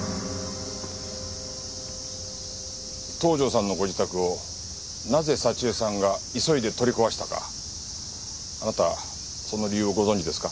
東条さんのご自宅をなぜ沙知絵さんが急いで取り壊したかあなたその理由をご存じですか？